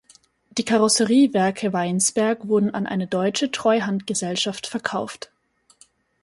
Die Karosseriewerke Weinsberg wurden an eine deutsche Treuhandgesellschaft verkauft.